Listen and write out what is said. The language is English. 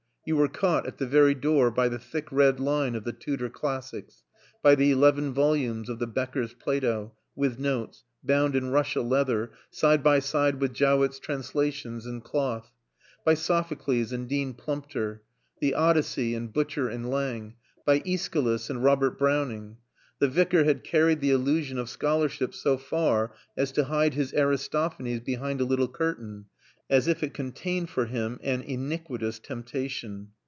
You were caught at the very door by the thick red line of The Tudor Classics; by the eleven volumes of The Bekker's Plato, with Notes, bound in Russia leather, side by side with Jowett's Translations in cloth; by Sophocles and Dean Plumptre, the Odyssey and Butcher and Lang; by Æschylus and Robert Browning. The Vicar had carried the illusion of scholarship so far as to hide his Aristophanes behind a little curtain, as if it contained for him an iniquitous temptation.